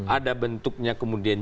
ada bentuknya kemudian